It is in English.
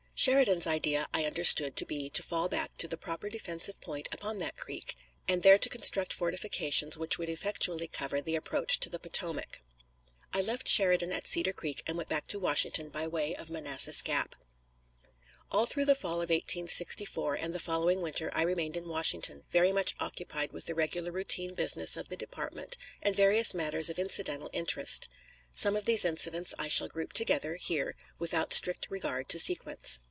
Sheridan's idea I understood to be to fall back to the proper defensive point upon that creek, and there to construct fortifications which would effectually cover the approach to the Potomac. I left Sheridan at Cedar Creek, and went back to Washington by way of Manassas Gap. All through the fall of 1864 and the following winter I remained in Washington, very much occupied with the regular routine business of the department and various matters of incidental interest. Some of these incidents I shall group together here, without strict regard to sequence.